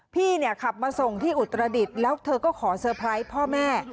พี่เนี่ยขับมาส่งที่อุตรดิษฐ์แล้วเธอก็ขอเซอร์ไพรส์พ่อแม่